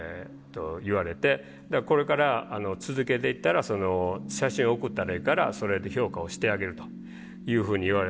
これから続けていったら写真送ったらええからそれで評価をしてあげるというふうに言われて。